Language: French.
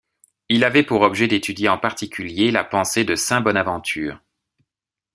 Il avait pour objet d'étudier en particulier la pensée de saint Bonaventure.